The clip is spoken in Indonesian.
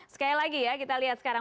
sekali lagi ya kita lihat sekarang